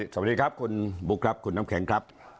สวัสดีครับคุณบุ๊คครับคุณน้ำแข็งครับ